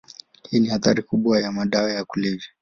Hii ni athari kubwa ya madawa ya kulevya.